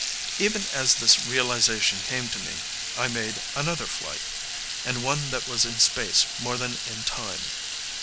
Even as this realization came to me, I made another flight and one that was in space more than in time.